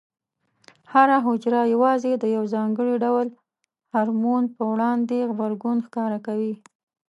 هره حجره یوازې د یو ځانګړي ډول هورمون په وړاندې غبرګون ښکاره کوي.